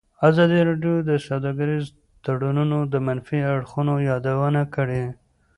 ازادي راډیو د سوداګریز تړونونه د منفي اړخونو یادونه کړې.